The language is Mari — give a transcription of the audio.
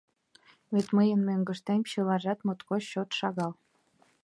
— Вет мыйын мӧҥгыштем чылажат моткоч чот шагал…